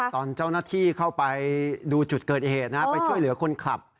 ตอนเจ้าหน้าที่เข้าไปดูจุดเกิดเหตุนะไปช่วยเหลือคนขับ